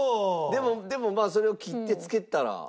でもまあそれを切ってつけたら。